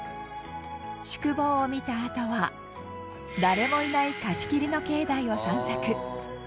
宿坊を見たあとは誰もいない貸し切りの境内を散策。